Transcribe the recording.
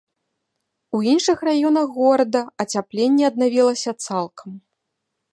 У іншых раёнах горада ацяпленне аднавілася цалкам.